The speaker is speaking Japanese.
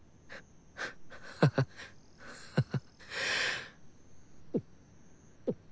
ハハハハ。